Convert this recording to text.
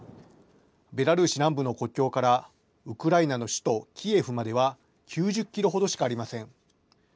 ベラルーシ南部の国境から、ウクライナの首都キエフまでは９０キロほどしかありません。